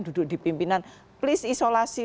duduk di pimpinan please isolasi